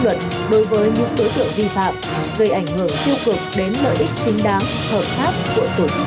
luận đối với những đối tượng vi phạm gây ảnh hưởng tiêu cực đến lợi ích chính đáng hợp pháp của tổ chức